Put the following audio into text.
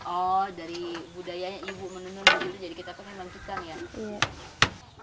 oh dari budaya ibu menenun begitu jadi kita perlu melanjutkan ya